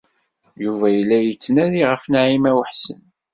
Yuba yella la yettnadi ɣef Naɛima u Ḥsen.